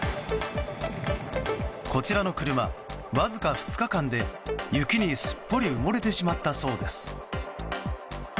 こちらの車、わずか２日間で雪にすっぽり埋もれてしまったそうです。